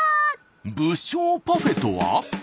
「武将パフェ」とは？